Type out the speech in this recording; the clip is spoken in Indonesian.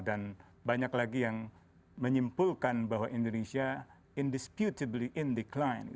dan banyak lagi yang menyimpulkan bahwa indonesia indisputably in decline